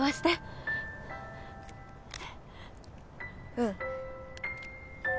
うん